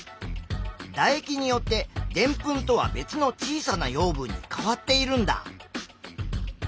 だ液によってでんぷんとは別の小さな養分に変わっているんだ。